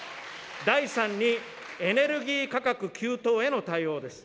第三に、エネルギー価格急騰への対応です。